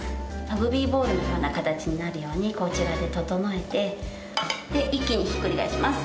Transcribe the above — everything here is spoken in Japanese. ラグビーボールのような形になるようにこちらで整えてで一気にひっくり返します。